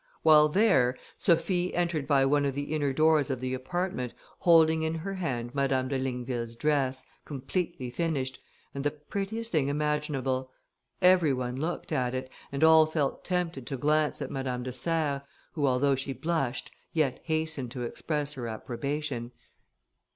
While there, Sophie entered by one of the inner doors of the apartment, holding in her hand Madame de Ligneville's dress, completely finished, and the prettiest thing imaginable: every one looked at it, and all felt tempted to glance at Madame de Serres, who, although she blushed, yet hastened to express her approbation.